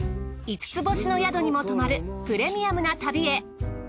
五つ星の宿にも泊まるプレミアムな旅へ。